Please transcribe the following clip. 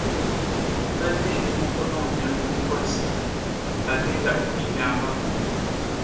Mbadde ndi mu kunonya mukozi agenda okutuyambako.